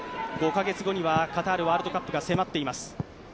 ５カ月後にはカタールワールドカップが迫っています。